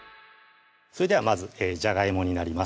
それではまずじゃがいもになります